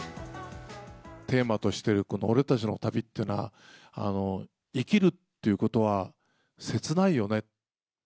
テーマとしている「俺たちの旅」というのは生きるということは切ないよね。